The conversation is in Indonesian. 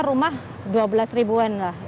rumah dua belas ribuan lah